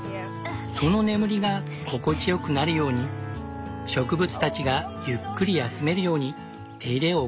その眠りが心地よくなるように植物たちがゆっくり休めるように手入れを行う。